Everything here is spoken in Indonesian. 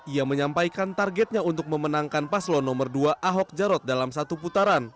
ia menyampaikan targetnya untuk memenangkan paslo nomor dua ahok jarot dalam satu putaran